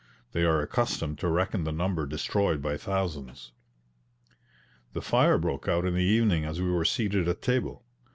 They are accustomed to reckon the number destroyed by thousands. The first fire broke out in the evening as we were seated at table.